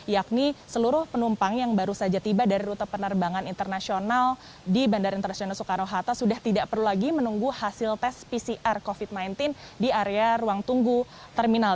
yakni seluruh penumpang yang baru saja tiba dari rute penerbangan internasional di bandara internasional soekarno hatta sudah tidak perlu lagi menunggu hasil tes pcr covid sembilan belas di area ruang tunggu terminal